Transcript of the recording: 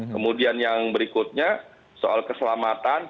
kemudian yang berikutnya soal keselamatan